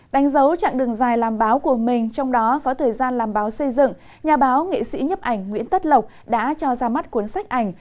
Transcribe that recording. đánh dấu chặng đường dài làm báo của mình trong đó có thời gian làm báo xây dựng nhà báo nghệ sĩ nhấp ảnh nguyễn tất lộc đã cho ra mắt cuốn sách ảnh